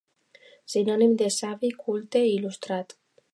Sinònim de savi, culte i il·lustrat.